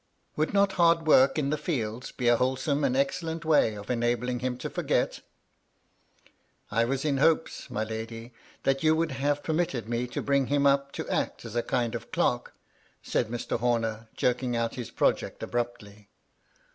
Would not hard work in the fields be a wholesome and excellent way of enabling him to forget ?" "I was in hopes, my lady, that you would have permitted me to bring him up to act as a kind of clerk," said Mr. Homer, jerking out his project abmptly.